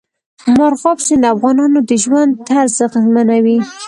مورغاب سیند د افغانانو د ژوند طرز اغېزمنوي.